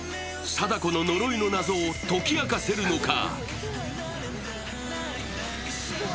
貞子の呪いの謎を解き明かせるのか？